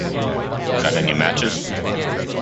Got any matches?